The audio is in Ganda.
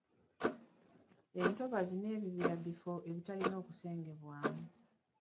Entobazi n'ebibira bifo ebitalina kusengebwamu.